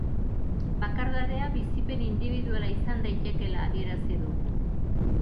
Bakardadea bizipen indibiduala izan daitekeela adierazi du.